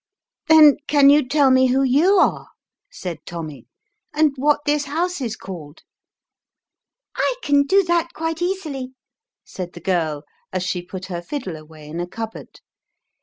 "Then can you tell me who you are," said Tommy, "and what this house is called?" " I can do that quite easily," said the girl, as she put her fiddle away in a cupboard.